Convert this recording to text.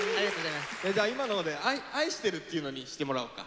じゃあ今ので「愛してる」っていうのにしてもらおうか。